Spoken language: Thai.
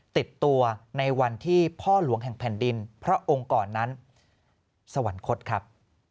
ติดตัวในวันที่พ่อหลวงแห่งแผ่นดินพระองค์ก่อนนั้นสวรรคตครับ